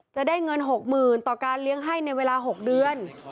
จะได้เงิน๖๐๐๐ต่อการเลี้ยงให้ในเวลา๖เดือน